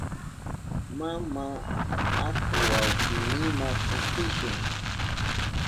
Mama, aku wawkiyniwa kutishun.